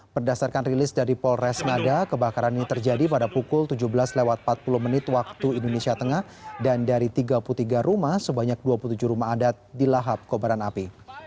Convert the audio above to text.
berdasarkan rilis dari polres ngada kebakaran ini terjadi pada pukul tujuh belas lewat empat puluh menit waktu indonesia tengah dan dari tiga puluh tiga rumah sebanyak dua puluh tujuh rumah adat dilahap kobaran api